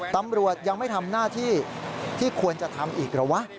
ตำรวจยังไม่ทำหน้าที่ที่ควรจะทำอีกเหรอวะ